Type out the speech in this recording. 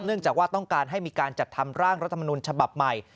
เนื่องจากว่าต้องการให้มีการจัดทำร่างรัฐมนุนฉบับใหม่